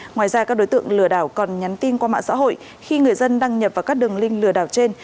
ngoài ra các đối tượng lừa đảo còn nhắn tin qua mạng xã hội khi người dân đăng nhập vào các đường link lừa đảo trên